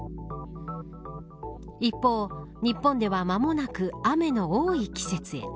一方、日本では間もなく雨の多い季節へ。